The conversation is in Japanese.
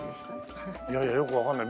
いやいやよくわかんない。